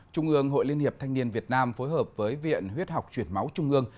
trung ương hội liên hiệp thanh niên việt nam phối hợp với viện huyết học chuyển máu trung ương